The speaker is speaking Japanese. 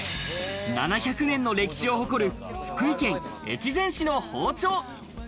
７００年の歴史を誇る福井県越前市の包丁。